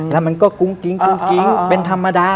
แล้วมันก็กุ้งกิ้งกุ้งกิ้งเป็นธรรมดา